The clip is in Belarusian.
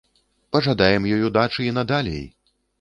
Пажадаем ёй удачы і надалей!